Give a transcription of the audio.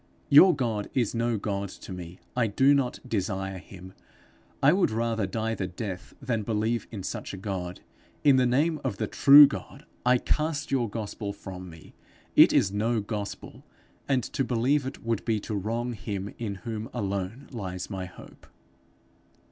Your God is no God to me. I do not desire him. I would rather die the death than believe in such a God. In the name of the true God, I cast your gospel from me; it is no gospel, and to believe it would be to wrong him in whom alone lies my hope.'